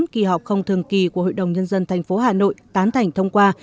kỳ họp không thường kỳ của hội đồng nhân dân tp hà nội tán thành thông qua